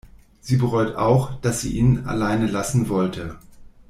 Sie bereut auch, dass sie ihn alleine lassen wollte.